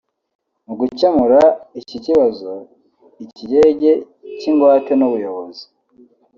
Mu gukemura iki kibazo ikigege cy’igwate n’ubuyobozi